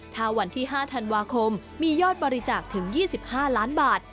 ถ้าวันที่๕ธันวาคมมียอดบริจาคถึง๒๕ล้านบาท